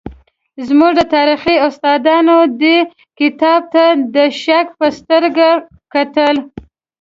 زموږ د تاریخ استادانو دې کتاب ته د شک په سترګه کتل.